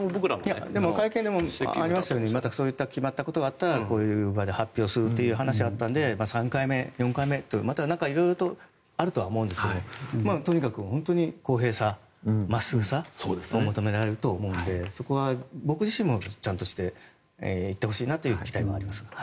会見でもありましたようにそういった決まったことがあったらこういう場で発表するという話はあったので３回目、４回目とまた色々とあるとは思うんですがとにかく本当に公平さ、真っすぐさが求められると思うのでそこは僕自身もちゃんとして行ってほしいなという期待もあります。